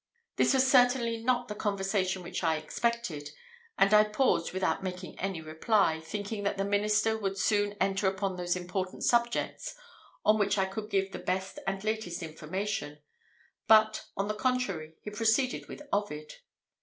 This was certainly not the conversation which I expected, and I paused without making any reply, thinking that the minister would soon enter upon those important subjects on which I could give the best and latest information; but, on the contrary, he proceeded with Ovid.